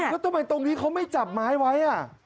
แล้วมันตรงนี้ไม่จับไม้ไว้